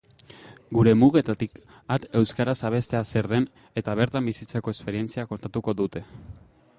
Gure mugetatik at euskaraz abestea zer den eta bertan bizitako esperientzia kontatuko dute.